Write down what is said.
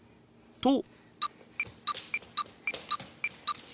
［と］